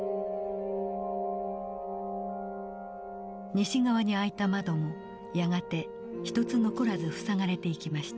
西側に開いた窓もやがて一つ残らず塞がれていきました。